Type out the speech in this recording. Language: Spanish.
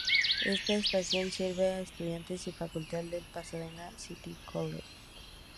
Esta estación sirve a estudiantes y facultad del Pasadena City College.